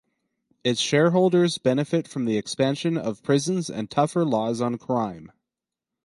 Its shareholders benefit from the expansion of prisons and tougher laws on crime.